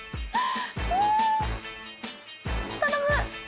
頼む。